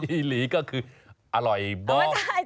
อีหลีก็คืออร่อยบ้อง